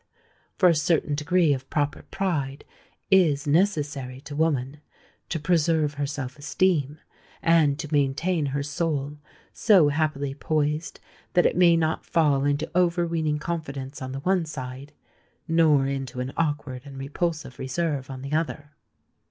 For a certain degree of proper pride is necessary to woman,—to preserve her self esteem, and to maintain her soul so happily poised that it may not fall into over weening confidence on the one side, nor into an awkward and repulsive reserve on the other.